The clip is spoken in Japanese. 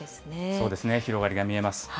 そうですね、広がりが見えます。